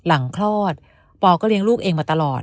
คลอดปอก็เลี้ยงลูกเองมาตลอด